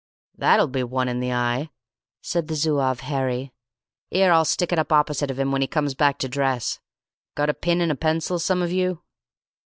"That'll be one in the eye," said the Zouave Harry. "'Ere, I'll stick it up opposite of him when he comes back to dress. Got a pin and a pencil, some of you?"